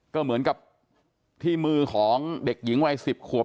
ก็เหมือนกับที่มือของเด็กหญิงวัย๑๐ขวบ